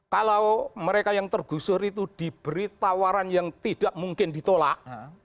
kalau mereka yang tergusur itu diberi tawaran yang tidak mungkin ditolak